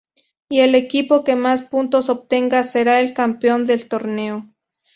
Y el equipo que más puntos obtenga será el campeón del torneo.